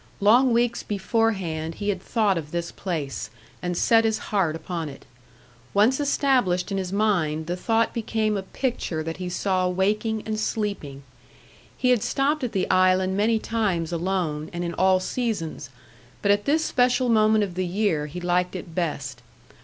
Long weeks beforehand he had thought of this place, and set his heart upon it. Once established in his mind, the thought became a picture that he saw waking and sleeping. He had stopped at the island many times alone, and in all seasons; but at this special moment of the year he liked it best.